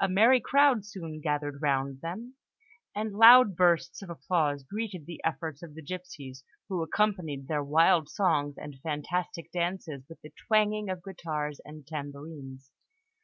A merry crowd soon gathered around them, and loud bursts of applause greeted the efforts of the gipsies, who accompanied their wild songs and fantastic dances with the twanging of guitars and tambourines.